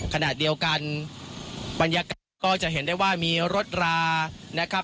ขณะเดียวกันบรรยากาศก็จะเห็นได้ว่ามีรถรานะครับ